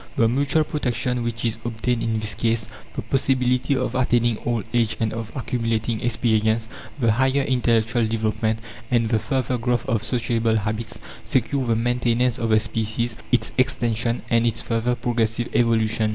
The mutual protection which is obtained in this case, the possibility of attaining old age and of accumulating experience, the higher intellectual development, and the further growth of sociable habits, secure the maintenance of the species, its extension, and its further progressive evolution.